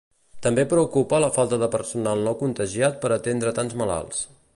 També preocupa la falta de personal no contagiat per atendre tants malalts.